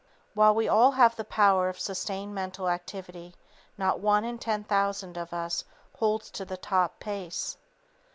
While we all have the power of sustained mental activity, not one in ten thousand of us holds to the top pace.